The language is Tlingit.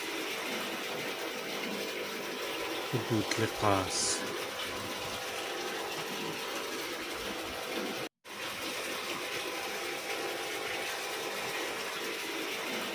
Wududlig̲aas.